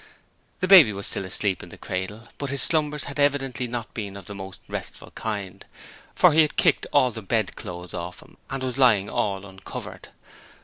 The baby was still asleep in the cradle, but his slumbers had evidently not been of the most restful kind, for he had kicked all the bedclothes off him and was lying all uncovered.